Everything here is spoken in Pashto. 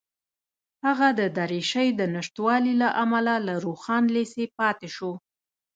هغه د دریشۍ د نشتوالي له امله له روښان لېسې پاتې شو